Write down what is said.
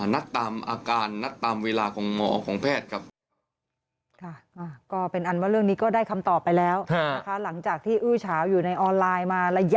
นัดตามอาการนัดตามเวลาของหมอของแพทย์ครับ